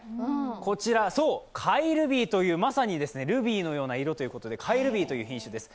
こちら、甲斐ルビーというまさにルビーのような色ということで、甲斐ルビーという品種です。